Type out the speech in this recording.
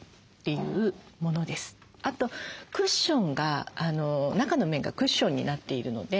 あとクッションが中の面がクッションになっているので。